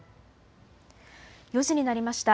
４時になりました。